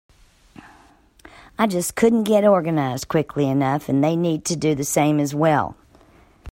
I just couldn't get organized quickly enough, and they need to do the same as well.